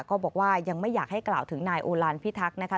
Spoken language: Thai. ก็บอกว่ายังไม่อยากให้กล่าวถึงนายโอลานพิทักษ์นะคะ